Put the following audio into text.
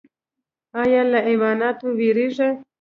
ایا له حیواناتو ویریږئ؟